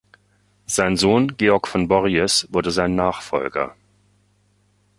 Sein Sohn Georg von Borries wurde sein Nachfolger.